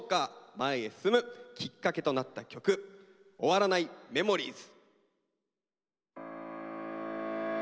前へ進むきっかけとなった曲「終わらないＭｅｍｏｒｉｅｓ」。